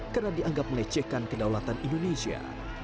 karena dianggap melecehkan kedaulatan indonesia